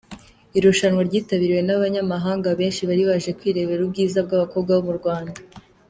Irushanwa ryitabiriwe n’ abanyamahanga benshi bari baje kwirebera ubwiza bw’ abakobwa bo mu Rwanda .